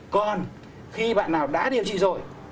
còn khi bạn nào đã điều trị rồi